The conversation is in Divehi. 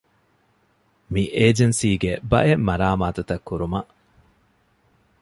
މި އޭޖެންސީގެ ބައެއް މަރާމާތުތައް ކުރުމަށް